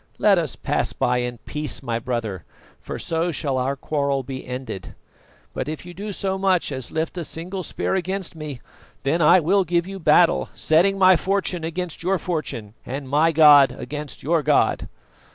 Let us pass by in peace, my brother, for so shall our quarrel be ended; but if you do so much as lift a single spear against me, then I will give you battle, setting my fortune against your fortune and my god against your God!